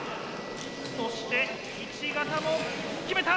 そして１型も決めた！